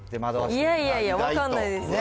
いやいやいや、分かんないですよ。